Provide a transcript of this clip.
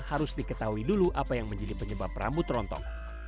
harus diketahui dulu apa yang menjadi penyebab rambut rontok